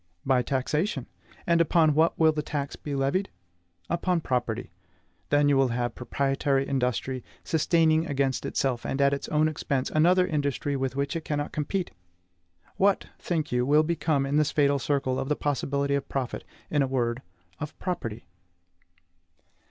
By taxation. And upon what will the tax be levied? Upon property. Then you will have proprietary industry sustaining against itself, and at its own expense, another industry with which it cannot compete. What, think you, will become, in this fatal circle, of the possibility of profit, in a word, of property?